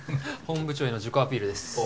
本部長への自己アピールです。